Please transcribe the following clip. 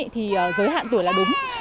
thì giới hạn tuổi là đúng